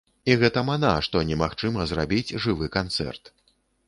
І гэта мана, што немагчыма зрабіць жывы канцэрт.